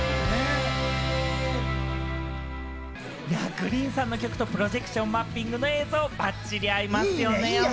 ＧＲｅｅｅｅＮさんの曲とプロジェクションマッピングの映像、ばっちり合いますよね。